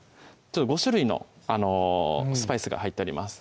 ５種類のスパイスが入っております